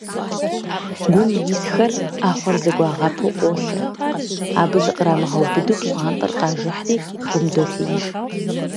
Гум исхэр, Ӏэхъуэр зэгуагъэпу, къолъэ, абы зыкърамыгъэубыду пщӀантӀэр къажыхьри, гум долъеиж.